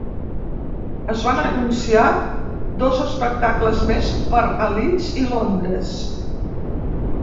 Es van anunciar dos espectacles més per a Leeds i Londres.